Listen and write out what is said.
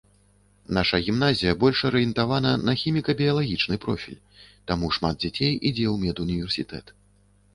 Наша гімназія больш арыентавана на хіміка-біялагічны профіль, таму шмат дзяцей ідзе у медуніверсітэт.